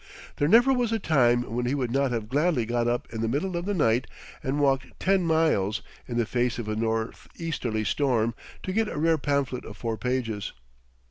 There never was a time when he would not have gladly got up in the middle of the night and walked ten miles, in the face of a northeasterly storm, to get a rare pamphlet of four pages.